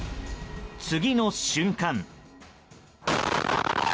次の瞬間。